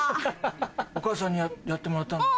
お母さんにやってもらったのか？